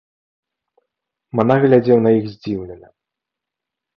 Манах глядзеў на іх здзіўлена.